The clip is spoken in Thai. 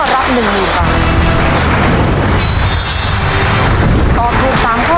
ถ้าพวกมีต่อไปก็ต้องหมด๔ข้อ